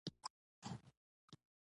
په داسې حال کې چې اومه مواد ارزانه پېري